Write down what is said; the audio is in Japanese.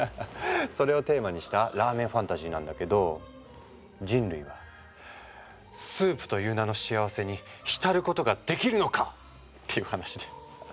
それをテーマにしたラーメンファンタジーなんだけど人類はスープという名の幸せに浸ることができるのか？っていう話で。